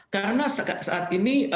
karena saat ini